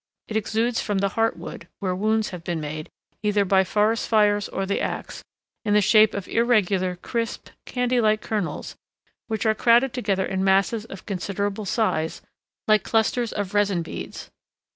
It exudes from the heart wood, where wounds have been made, either by forest fires, or the ax, in the shape of irregular, crisp, candy like kernels, which are crowded together in masses of considerable size, like clusters of resin beads.